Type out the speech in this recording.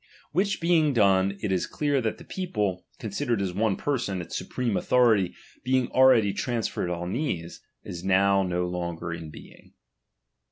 Which being done, it is clear that the people, considered as one person, its supreme authority being already trans ferred on these, is no longer now in being.